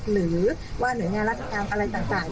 หรือว่าหน่วยงานราชการอะไรต่าง